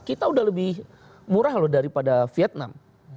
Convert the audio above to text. kita udah lebih murah loh daripada vietnam